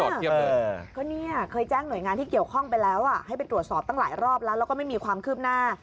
ก็เนี่ยเคยแจ้งหน่วยงานที่เกี่ยวข้องไปแล้วให้ไปตรวจสอบตั้งหลายรอบแล้วแล้วก็ไม่มีความคืบหน้า